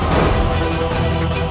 kedai yang menangis